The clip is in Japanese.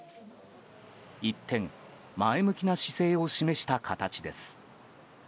一転前向きな姿勢を示した形です。